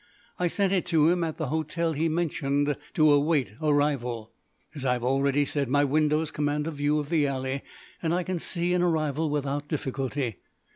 I sent it to him at the hotel he mentioned, "to await arrival". As I have already said, my windows command a view of the alley, and I can see an arrival without difficulty.